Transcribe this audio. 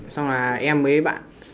xong là em mới bạn